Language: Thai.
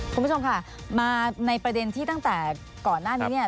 คุณผู้ชมค่ะมาในประเด็นที่ตั้งแต่ก่อนหน้านี้เนี่ย